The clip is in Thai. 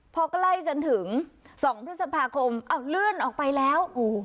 พอใกล้จนถึง๒พฤษภาคมอ้าวเลื่อนออกไปแล้ว